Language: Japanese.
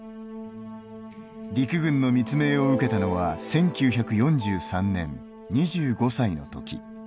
陸軍の密命を受けたのは１９４３年２５歳の時。